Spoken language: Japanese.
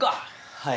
はい。